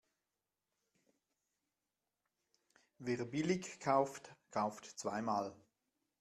Wer billig kauft, kauft zweimal.